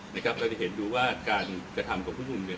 เราจะเห็นดูว่าการทะทับของทุกคุณเนี่ย